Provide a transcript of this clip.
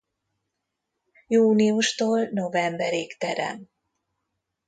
Júniustól novemberig terem.